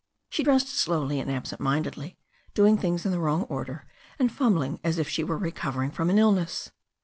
She dressed slowly and absent mindedly, doing things in the wrong order, and fumbling as if she were recovering from an illness.